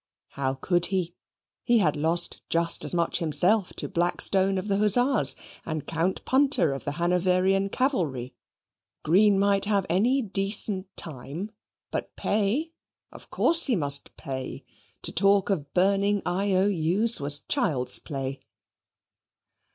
How could he? He had lost just as much himself to Blackstone of the Hussars, and Count Punter of the Hanoverian Cavalry. Green might have any decent time; but pay? of course he must pay; to talk of burning IOU's was child's play.